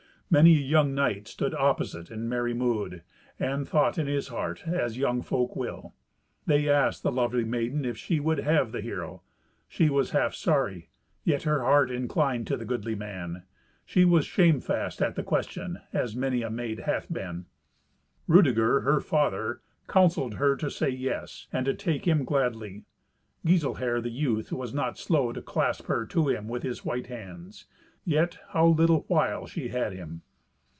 Many a young knight stood opposite in merry mood, and thought in his heart as young folk will. They asked the lovely maiden if she would have the hero. She was half sorry, yet her heart inclined to the goodly man. She was shamefast at the question, as many a maid hath been. Rudeger her father counselled her to say "yes," and to take him gladly. Giselher, the youth, was not slow to clasp her to him with his white hands. Yet how little while she had him!